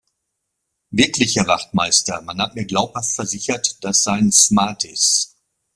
Wirklich, Herr Wachtmeister, man hat mir glaubhaft versichert, das seien Smarties.